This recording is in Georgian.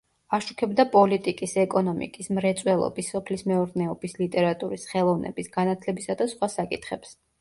აშუქებდა პოლიტიკის, ეკონომიკის, მრეწველობის, სოფლის მეურნეობის, ლიტერატურის, ხელოვნების, განათლებისა და სხვა საკითხებს.